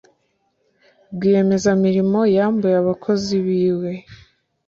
Rwiyemeza mirimo yambuye abakozi biwe